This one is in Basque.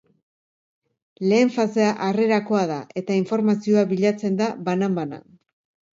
Lehen fasea harrerakoa da eta informazioa bilatzen da banan-banan.